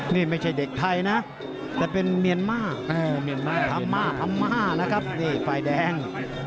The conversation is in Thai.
นี่ไม่ใช่เด็กไทยนะแต่เป็นเมียนม่าธรรม่าธรรม่านะครับนี่ไฟแดง